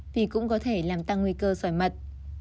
thì cũng có thể làm tăng nguy cơ sỏi mật